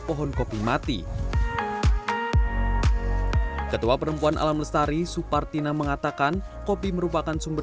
pohon kopi mati ketua perempuan alam lestari supartina mengatakan kopi merupakan sumber